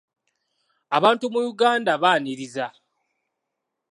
Abantu mu Uganda baaniriza.